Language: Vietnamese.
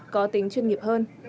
có tính chuyên nghiệp hơn